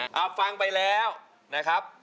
เอาฟังไปแล้วนะครับ